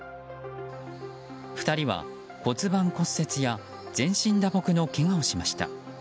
２人は骨盤骨折や全身打撲のけがをしました。